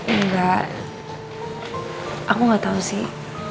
enggak aku gak tau sih